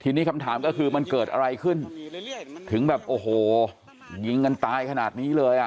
ทีนี้คำถามก็คือมันเกิดอะไรขึ้นถึงแบบโอ้โหยิงกันตายขนาดนี้เลยอ่ะ